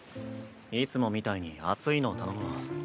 いつもみたいに熱いの頼むわ。